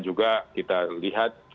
juga kita lihat